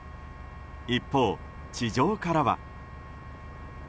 一方、地上からは。